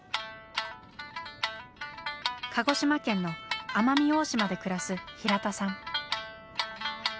鹿児島県の奄美大島で暮らす平田さん。